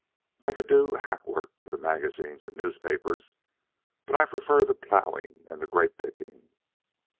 I could do hack work for the magazines and newspapers; but I prefer the ploughing and the grape picking.